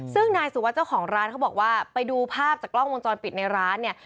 ซึ่งนายสุวัสดิ์เจ้าของร้านเขาบอกว่าไปดูภาพจากกล้องวงจรปิดในร้านเนี่ย